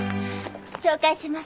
紹介します。